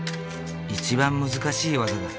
一番難しい技だ。